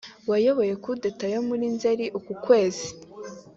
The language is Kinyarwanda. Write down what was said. wayoboye kudeta yo muri Nzeri uku kwezi